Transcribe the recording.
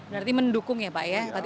berarti mendukung ya pak ya